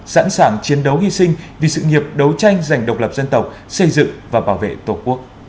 sẵn sàng chiến đấu hy sinh vì sự nghiệp đấu tranh giành độc lập dân tộc xây dựng và bảo vệ tổ quốc